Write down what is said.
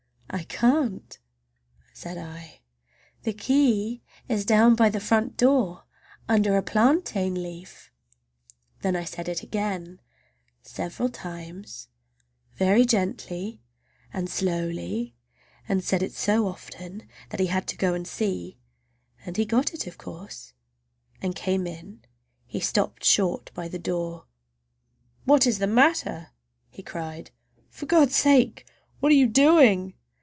"I can't," said I. "The key is down by the front door under a plantain leaf!" And then I said it again, several times, very gently and slowly, and said it so often that he had to go and see, and he got it, of course, and came in. He stopped short by the door. "What is the matter?" he cried. "For God's sake, what are you doing!"